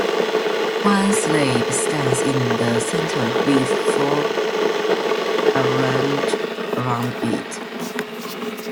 One slab stands in the center, with four arranged around it.